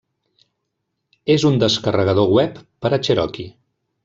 És un descarregador web per a Cherokee.